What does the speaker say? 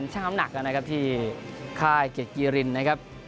ช่างน้ำหนักนะครับที่ค่ายเกียรติกีรินนะครับ